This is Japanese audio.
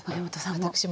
私も。